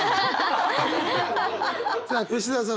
さあ吉澤さん